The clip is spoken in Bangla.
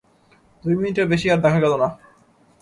দুই মিনিটের বেশি আর দেখা গেল না।